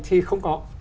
thì không có